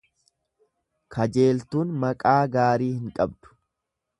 Kajeeltuun maqaa gaarii hin qabdu.